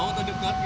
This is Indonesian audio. mau ke dekat